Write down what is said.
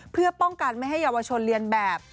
เพื่อป้องกันไม่ให้เยาวชนเรียนแบบ